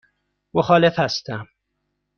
مخالف هستم.